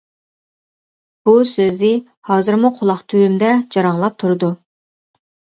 بۇ سۆزى ھازىرمۇ قۇلاق تۈۋىمدە جاراڭلاپ تۇرىدۇ.